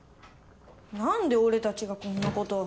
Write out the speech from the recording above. なんで俺たちがこんな事。